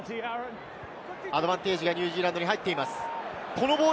アドバンテージがニュージーランドに出ています。